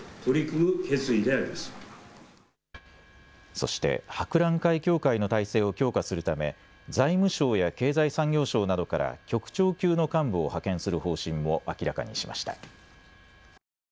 そして博覧会協会の体制を強化するため財務省や経済産業省などから局長級の幹部を派遣する方針も明らかにしました。